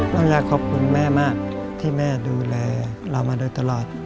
ต้องอยากขอบคุณแม่มากที่แม่ดูแลเรามาโดยตลอด